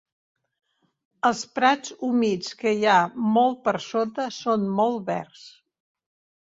Els prats humits que hi ha molt per sota són molt verds.